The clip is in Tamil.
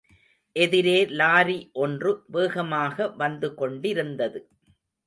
எதிரே லாரி ஒன்று வேகமாக வந்து கொண்டிருந்தது.